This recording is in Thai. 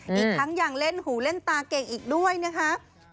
อีกทั้งยังเล่นหูเล่นตาเก่งอีกด้วยนะคะ